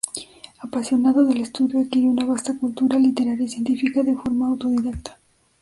Apasionado del estudio, adquirió una vasta cultura literaria y científica de forma autodidacta.